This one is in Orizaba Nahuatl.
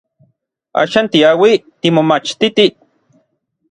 Axan tiauij timomachtitij.